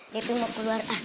yuk tuh mau keluar